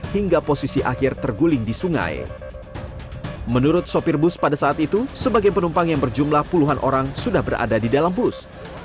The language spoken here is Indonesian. kondisi bus terguling setelah jatuh dari areal parkir